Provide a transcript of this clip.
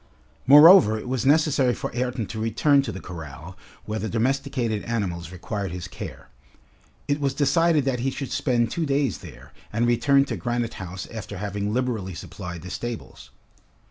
Moreover, it was necessary for Ayrton to return to the corral, where the domesticated animals required his care. It was decided that he should spend two days there, and return to Granite House after having liberally supplied the stables.